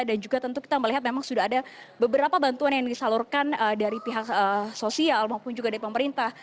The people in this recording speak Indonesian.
dan juga tentu kita melihat memang sudah ada beberapa bantuan yang disalurkan dari pihak sosial maupun juga dari pemerintah